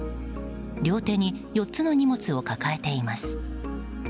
両手に４つの荷物を抱えています。